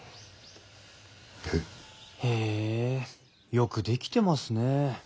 へえよく出来てますねえ。